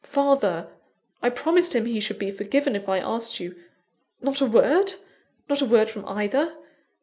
Father, I promised him he should be forgiven, if I asked you. Not a word; not a word from either?